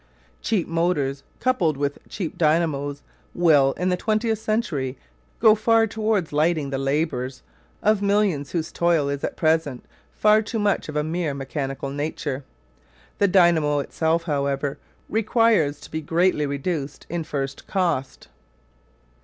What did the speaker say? Cheap motors coupled with cheap dynamos will, in the twentieth century, go far towards lightening the labours of millions whose toil is at present far too much of a mere mechanical nature. The dynamo itself, however, requires to be greatly reduced in first cost.